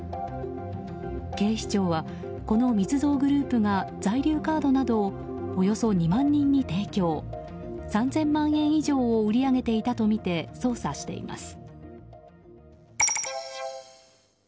警視庁は、この密造グループが在留カードなどをおよそ２万人に提供３０００万円以上を売り上げていたとみて捜査しています。